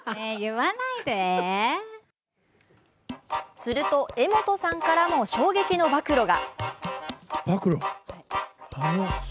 すると柄本さんからも衝撃の暴露が。